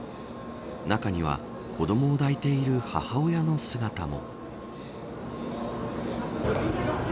中には子どもを抱いている母親の姿も。